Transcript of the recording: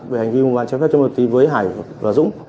về hành vi mua bán trái phép chất ma túy với hải và dũng